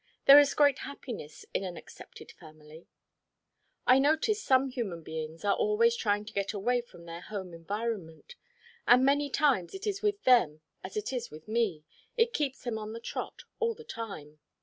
There is great happiness in an accepted family. I notice some human beings are always trying to get away from their home environment, and many times it is with them as it is with me it keeps them on the trot all the time.